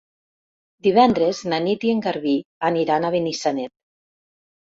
Divendres na Nit i en Garbí aniran a Benissanet.